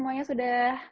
terima kasih dokter